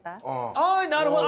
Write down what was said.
あなるほど！